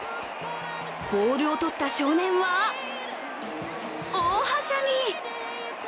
ボールをとった少年は大はしゃぎ。